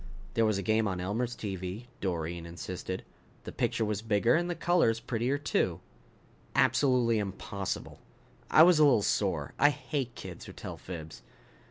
"There was a game on Elmer's TV," Doreen insisted. "The picture was bigger and the colors prettier, too." "Absolutely impossible." I was a little sore. I hate kids who tell fibs.